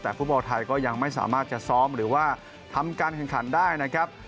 แต่ฟุตบอลไทยก็ยังไม่สามารถจะซ้อมหรือว่าทำการแข่งขันได้นะครับ